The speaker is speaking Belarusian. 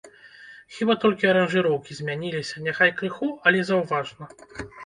Хіба толькі аранжыроўкі змяніліся, няхай крыху, але заўважна.